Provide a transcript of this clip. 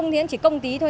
nghĩa là chỉ công tí thôi